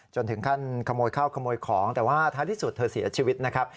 จนถึงขั้นขโมยข้าวขโมยของแต่ว่าท้ายที่สุดเธอเสียชีวิตนะครับ